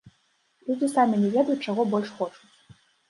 Людзі самі не ведаюць, чаго больш хочуць!